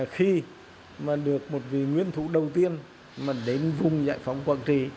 khi mà được một vị nguyên thủ đầu tiên mà đến vùng giải phóng quảng trị